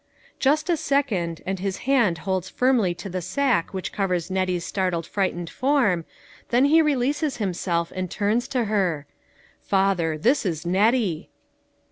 Just a second, and his hand holds firmly to the sack which covers Nettie's startled frightened form, then he releases himself and turns to her : "Father, this is Nettie!